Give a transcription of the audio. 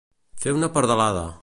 Fer una pardalada.